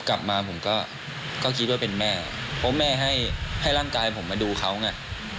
กลับมาผมก็คิดว่าเป็นแม่เพราะแม่ให้ให้ร่างกายผมมาดูเขาไง